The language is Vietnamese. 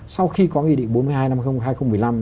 sau khi có nghị định bốn mươi hai năm hai nghìn một mươi năm